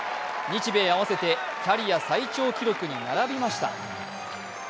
日米合わせてキャリア最長記録に並びました。